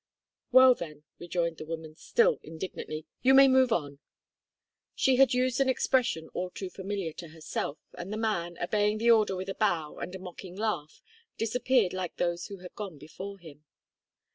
"Well, then," rejoined the woman, still indignantly, "you may move on." She had used an expression all too familiar to herself, and the man, obeying the order with a bow and a mocking laugh, disappeared like those who had gone before him.